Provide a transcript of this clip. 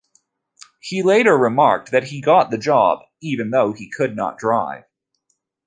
He later remarked that he got the job even though he could not drive.